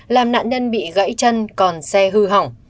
làm nạn nhân bị gãy chân còn xe hư hỏng